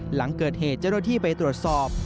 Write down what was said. หลังเกิดเหตุเจ้าหน้าที่ไปตรวจสอบ